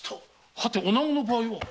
はて女子の場合は？